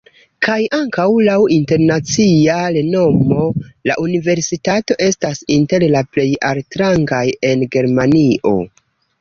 Kaj ankaŭ laŭ internacia renomo la universitato estas inter la plej altrangaj en Germanio.